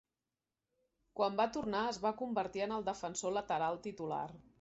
Quan va tornar, es va convertir en el defensor lateral titular.